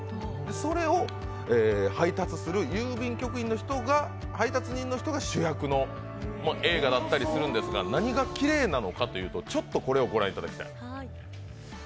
それを配達する郵便局員の人が、配達人の人が主役の映画なんですが何がきれいなのかというと、これをご覧いただきたい。